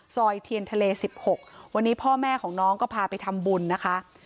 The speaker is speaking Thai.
ซอยเทียนทะเล๑๖วันนี้พ่อแม่ของน้องก็พาไปทำบุญนะคะ